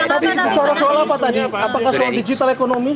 tapi soal soal apa tadi apakah soal digital ekonomi